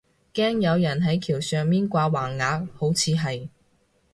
驚有人係橋上面掛橫額，好似係